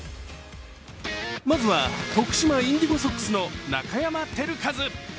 まずは徳島インディゴソックスの中山晶量。